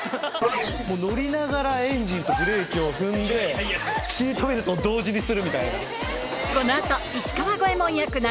もう乗りながらエンジンとブレーキを踏んでシートベルトを同時にするみたいな。